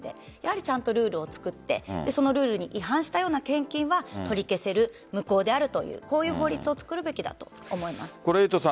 ルールを作って、そのルールに違反したような献金を取り消せる、無効であるという法律を作るべきだと思います。